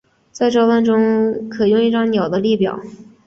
在招待中可用一张鸟的列表。